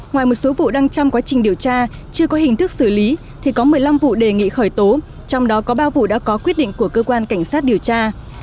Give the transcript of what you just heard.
ngoài một số vụ đang chăm quá trình điều tra chưa có hình thức xử lý thì có một mươi năm vụ đề nghị khởi tố trong đó có bao vụ đã có quyết định của cơ quan cảnh sát điều tra